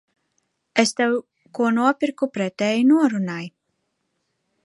Es tev ko nopirku pretēji norunai.